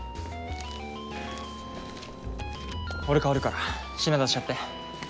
俺代わるから品出しやって。